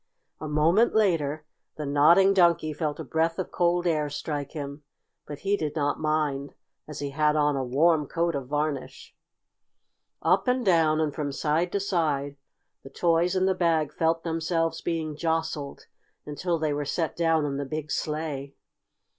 A moment later the Nodding Donkey felt a breath of cold air strike him, but he did not mind, as he had on a warm coat of varnish. Up and down, and from side to side the toys in the bag felt themselves being jostled, until they were set down in the big sleigh.